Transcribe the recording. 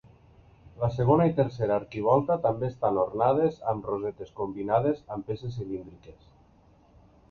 La segona i tercera arquivolta també estan ornades amb rosetes combinades amb peces cilíndriques.